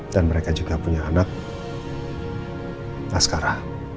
dan mereka juga punya anak asqara